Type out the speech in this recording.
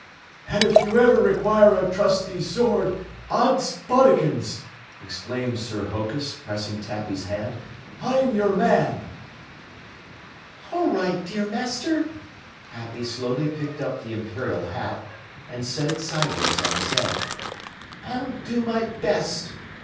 "An' you ever require a trusty sword, Odds Bodikins!" exclaimed Sir Hokus, pressing Tappy's hand, "I'm your man!" "All right, dear Master!" Happy slowly picked up the Imperial hat and set it sideways on his head. "I'll do my best."